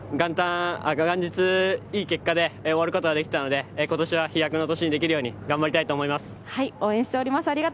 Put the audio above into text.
元日いい結果で終わることができたので今年は飛躍の年にできるように頑張りたいと思います。